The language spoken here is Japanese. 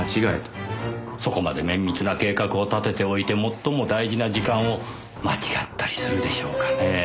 そこまで綿密な計画を立てておいて最も大事な時間を間違ったりするでしょうかねえ。